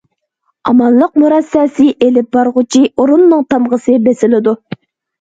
ئامانلىق مۇرەسسەسى ئېلىپ بارغۇچى ئورۇننىڭ تامغىسى بېسىلىدۇ.